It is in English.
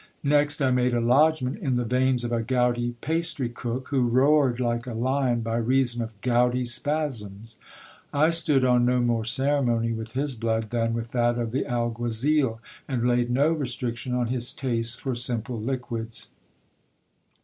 Next I made a lodgment in the veins of a gouty pastry cook, who roared like a lion by reason of gouty spasms. I stood on no more ceremony with his blood than with that of the alguazil, and laid no restriction on his taste for simple liquids.